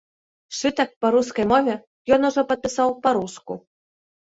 Сшытак па рускай мове ён ужо падпісаў па-руску.